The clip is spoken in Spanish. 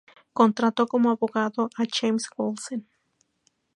Contrató como abogado a James Wilson.